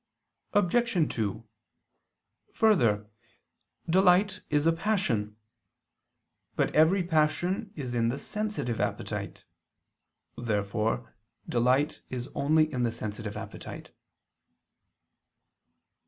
Obj. 2: Further, delight is a passion. But every passion is in the sensitive appetite. Therefore delight is only in the sensitive appetite.